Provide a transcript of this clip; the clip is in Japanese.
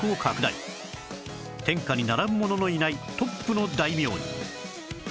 天下に並ぶ者のいないトップの大名に